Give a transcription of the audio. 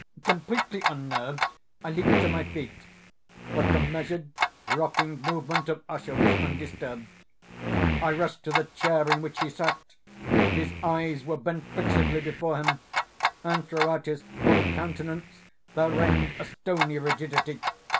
Completely unnerved, I leaped to my feet; but the measured rocking movement of Usher was undisturbed. I rushed to the chair in which he sat. His eyes were bent fixedly before him, and throughout his whole countenance there reigned a stony rigidity.